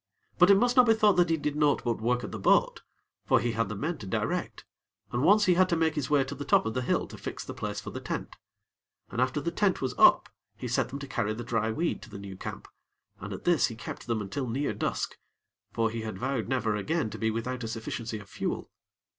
But it must not be thought that he did naught but work at the boat; for he had the men to direct, and once he had to make his way to the top of the hill to fix the place for the tent. And after the tent was up, he set them to carry the dry weed to the new camp, and at this he kept them until near dusk; for he had vowed never again to be without a sufficiency of fuel.